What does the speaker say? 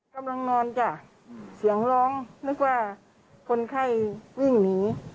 กำลังนอนจ้ะเสียงร้องนึกว่าคนไข้วิ่งหนี